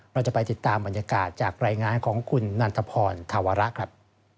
เราจะไปติดตามบรรยากาศจากรายงานของคุณนันทพรธาวระครับ